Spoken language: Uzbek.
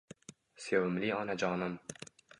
Sevimli onajonim!